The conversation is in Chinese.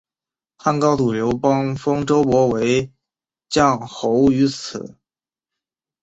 汉高祖刘邦封周勃为绛侯于此。